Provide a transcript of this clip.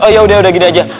ya udah udah gini aja